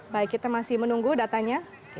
baik kita masih menunggu datanya